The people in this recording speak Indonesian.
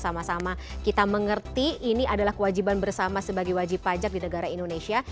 sama sama kita mengerti ini adalah kewajiban bersama sebagai wajib pajak di negara indonesia